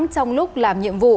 trong lúc làm nhiệm vụ